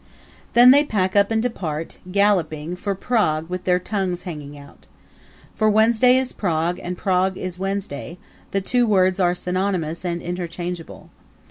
Then they pack up and depart, galloping, for Prague with their tongues hanging out. For Wednesday is Prague and Prague is Wednesday the two words are synonymous and interchangeable.